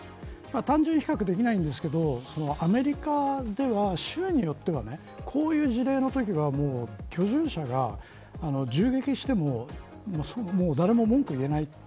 単純比較できないんですけどアメリカでは、州によってはこういう事例のときは居住者が銃撃しても誰も文句を言えない。